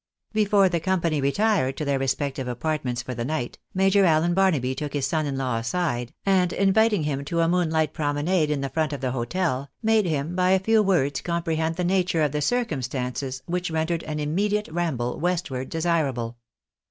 Before the company retired to their respective apartments for the night. Major Allen Barnaby took his son in law aside, and inviting him to a moonlight promenade in the front of the hotel, made him by a few words comprehend the nature of the circum stances which rendered an immediate ramble westward desirable.